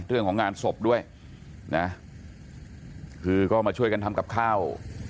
เรื่องของงานศพด้วยนะคือก็มาช่วยกันทำกับข้าว